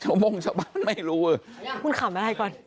โม่งชาวบ้านไม่รู้คุณขำอะไรก่อน